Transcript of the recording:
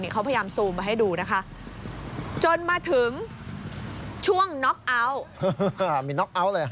เขาพยายามซูมมาให้ดูนะคะจนมาถึงช่วงน็อกเอาท์มีน็อกเอาท์เลย